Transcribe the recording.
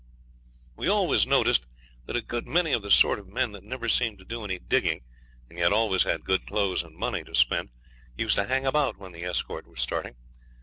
We always noticed that a good many of the sort of men that never seemed to do any digging and yet always had good clothes and money to spend used to hang about when the escort was starting.